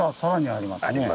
あります。